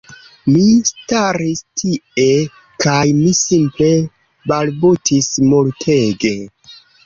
Mi staris tie kaj mi simple balbutis multege